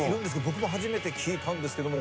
僕も初めて聞いたんですけど。